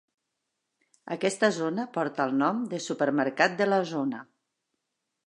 Aquesta zona porta el nom de Supermercat de la zona.